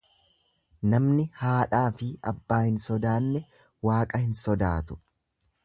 Namni haadhaafi abbaa hin sodaanne Waaqa hin sodaatu.